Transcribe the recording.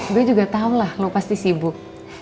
gue juga tau lah lo pasti sibuk